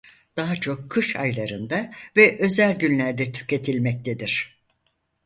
Daha çok kış aylarında ve özel günlerde tüketilmektedir.